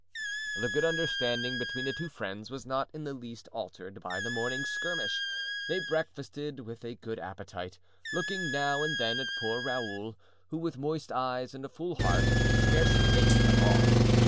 The good understanding between the two friends was not in the least altered by the morning's skirmish. They breakfasted with a good appetite, looking now and then at poor Raoul, who with moist eyes and a full heart, scarcely ate at all.